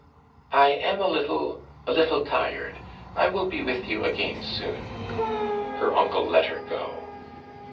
'I am a little a little tired. I will be with you again soon.' Her uncle let her go.